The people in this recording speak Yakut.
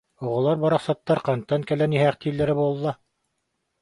Оҕолор барахсаттар хантан кэлэн иһээхтииллэрэ буолла